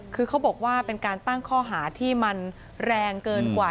คือเขาบอกว่าเป็นการตั้งข้อหาที่มันแรงเกินกว่า